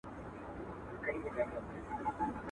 حیوانان یې وه بارونو ته بللي.